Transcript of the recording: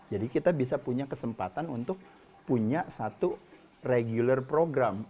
jadi kita bisa punya kesempatan untuk punya satu regular program